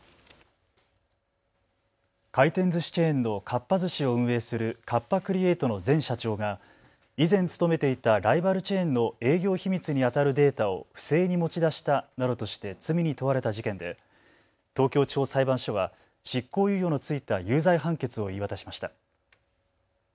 回転ずしチェーンのかっぱ寿司を運営するカッパ・クリエイトの前社長が以前勤めていたライバルチェーンの営業秘密にあたるデータを不正に持ち出したなどとして罪に問われた事件で東京地方裁判所は執行猶予の付いた有罪判決を言い渡しました。